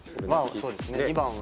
そうですね２番。